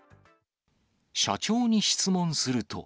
社長に質問すると。